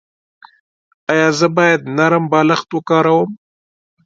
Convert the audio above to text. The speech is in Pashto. ایا زه باید نرم بالښت وکاروم؟